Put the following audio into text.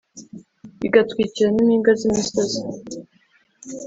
bigatwikira n'impinga z'imisozi